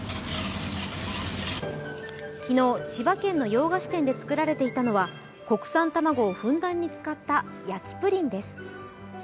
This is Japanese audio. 昨日、千葉県の洋菓子店で作られていたのは、国産卵をふんだんに使った焼きプリンです。